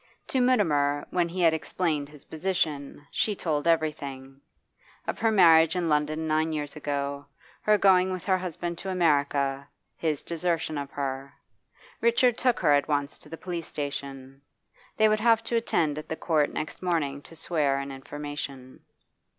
To Mutimer, when he had explained his position, she told everything of her marriage in London nine years ago, her going with her husband to America, his desertion of her. Richard took her at once to the police station. They would have to attend at the court next morning to swear an information.